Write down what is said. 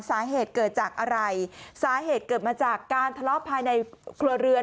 สาเหตุเกิดจากอะไรสาเหตุเกิดมาจากการทะเลาะภายในครัวเรือน